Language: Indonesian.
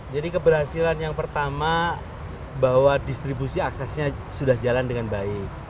jadi keberhasilan yang pertama bahwa distribusi aksesnya sudah jalan dengan baik